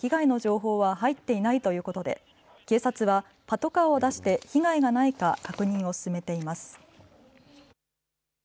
現在のところ被害の情報は入っていないということで、警察はパトカーを出して被害がないか確認を進めています。